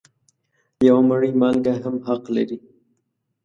یوه مړۍ مالګه هم حق لري.